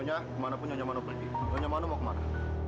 selamat pulang ketika nampak kita